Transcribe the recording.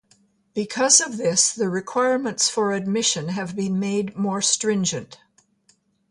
Because of this, the requirements for admission have been made more stringent.